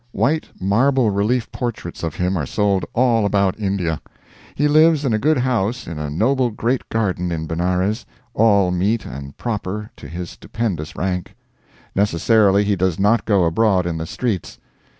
White marble relief portraits of him are sold all about India. He lives in a good house in a noble great garden in Benares, all meet and proper to his stupendous rank. Necessarily he does not go abroad in the streets.